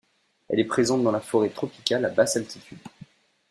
Elle est présente dans la forêt tropicale à basse altitude.